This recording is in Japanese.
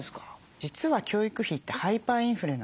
実は教育費ってハイパーインフレなんですね。